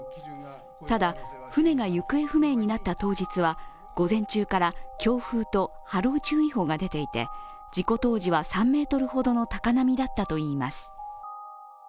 ただ、船が行方不明になった当日は午前中から強風と波浪注意報が出ていて、事故当時は３メートルほどの高波だったといいます。